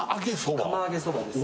釜揚げそばです